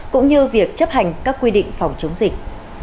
cũng như việc chấp hành các quy định phòng chống dịch